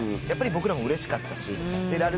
やっぱり僕らもうれしかったし。